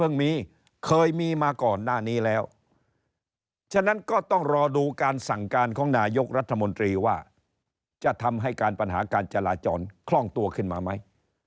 เคยมีมาก่อนหน้านี้แล้วฉะนั้นก็ต้องรอดูการสั่งการของนายกรัฐมนตรีว่าจะทำให้การปัญหาการจราจรคล่องตัวขึ้นมาไหม